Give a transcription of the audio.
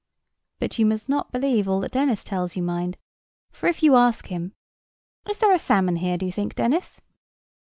—But you must not believe all that Dennis tells you, mind; for if you ask him: "Is there a salmon here, do you think, Dennis?"